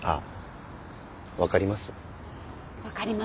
分かりますよ。